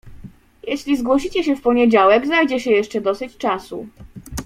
"Jeśli zgłosicie się w poniedziałek, znajdzie się jeszcze dosyć czasu."